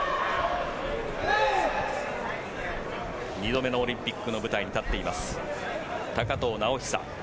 ２度目のオリンピックの舞台に立っています、高藤直寿。